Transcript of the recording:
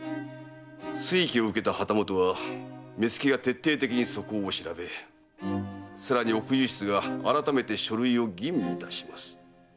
推挙を受けた旗本は目付が徹底的に素行を調べさらに奥右筆が改めて書類を吟味いたします。